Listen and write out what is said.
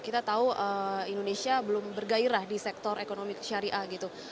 kita tahu indonesia belum bergairah di sektor ekonomi syariah gitu